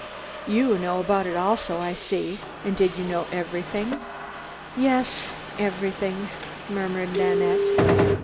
"You know about it also, I see. And did you know everything?" "Yes, everything," murmured Nanette.